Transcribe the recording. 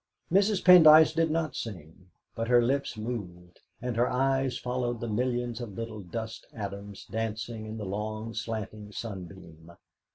Mrs. Pendyce did not sing, but her lips moved, and her eyes followed the millions of little dust atoms dancing in the long slanting sunbeam.